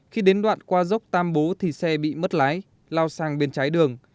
khi đến đoạn qua dốc tam bố thì xe bị mất lái lao sang bên trái đường